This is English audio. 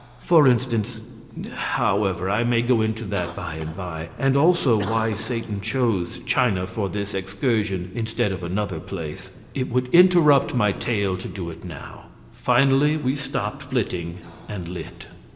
For instance However, I may go into that by and by, and also why Satan chose China for this excursion instead of another place; it would interrupt my tale to do it now. Finally we stopped flitting and lit.